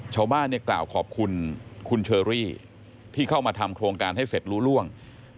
ชาวบ้านเนี่ยกล่าวขอบคุณคุณเชอรี่ที่เข้ามาทำโครงการให้เสร็จรู้ล่วง